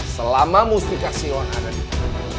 selama mustikasion ada di tengah gue